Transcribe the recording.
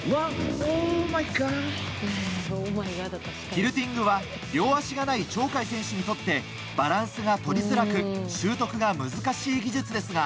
ティルティングは両足がない鳥海選手にとってバランスがとりづらく習得が難しい技術ですが